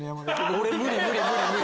俺無理無理無理。